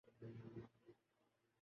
نہ کوئی ضابطہ ہے۔